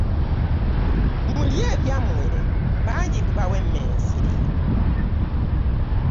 Mulye ebyammwe, bali lubawemmense.